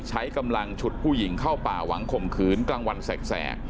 ใช้กำลังฉุดผู้หญิงเข้าป่าหวังข่มขืนกลางวันแสก